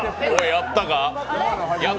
やったか？